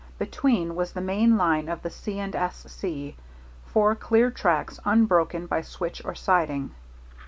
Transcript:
Between was the main line of the C. & S. C., four clear tracks unbroken by switch or siding.